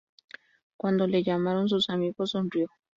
Cuando le llamaron sus amigos, sonrió.